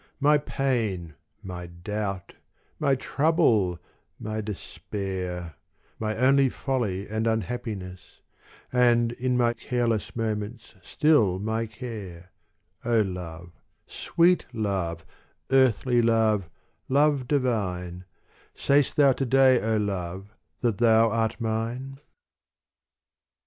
My pain, my doubt, my trouble, my despair, My only folly and unhappiness, And in my careless moments still my care : O love, sweet love, earthly love, love divine, Sayst thou to day, O love, that thou art mine